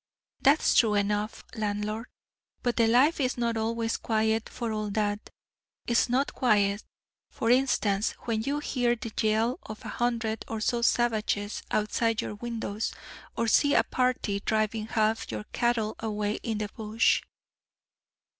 "That's true enough, landlord, but the life is not always quiet for all that. It's not quiet, for instance, when you hear the yell of a hundred or so savages outside your windows, or see a party driving half your cattle away into the bush."